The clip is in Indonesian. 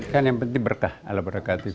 kan yang penting berkah ala berkat tuhan